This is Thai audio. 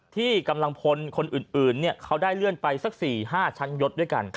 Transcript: ที่กำลังพลคนอื่นเขาได้เลื่อนไปสัก๔๕ชั้นยศด้วยกัน